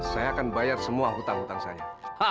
saya akan bayar semua hutang hutang saya